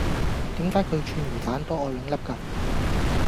點解佢串魚蛋多我兩粒㗎?